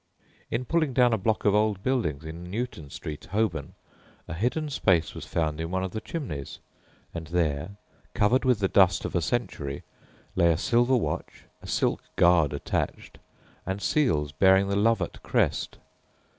In pulling down a block of old buildings in Newton Street, Holborn, a hidden space was found in one of the chimneys, and there, covered with the dust of a century, lay a silver watch, a silk guard attached, and seals bearing the Lovat crest.